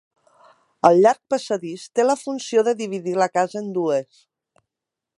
El llarg passadís té la funció de dividir la casa en dues.